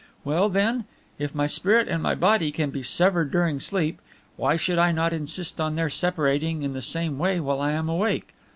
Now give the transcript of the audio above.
Well, then, if my spirit and my body can be severed during sleep, why should I not insist on their separating in the same way while I am awake?